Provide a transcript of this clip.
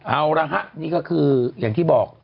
เอาละฮะนี่ก็คืออย่างที่บอก